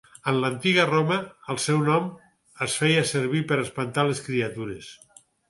En l'Antiga Roma, el seu nom es feia servir per espantar les criatures.